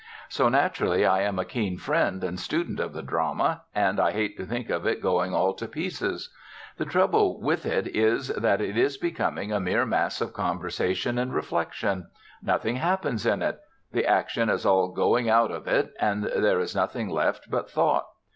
So naturally I am a keen friend and student of the Drama: and I hate to think of it going all to pieces. The trouble with it is that it is becoming a mere mass of conversation and reflection: nothing happens in it; the action is all going out of it and there is nothing left but thought.